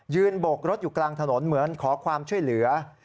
โบกรถอยู่กลางถนนเหมือนขอความช่วยเหลือ